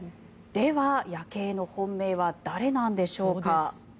では、ヤケイの本命は誰なんでしょうか。